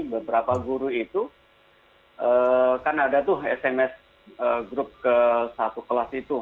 beberapa guru itu kan ada tuh sms grup ke satu kelas itu